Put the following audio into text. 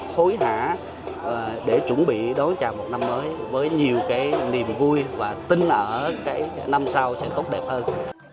khối đã để chuẩn bị đối chào một năm mới với nhiều cái niềm vui và tin ở cái năm sau sẽ tốt đẹp hơn